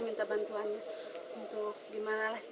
minta bantuannya untuk gimana lah caranya gitu